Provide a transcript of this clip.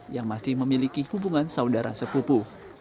yang masih memiliki hubungan saudara sepupu